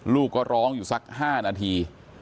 ลูกก็ร้องอยู่สัก๕นาที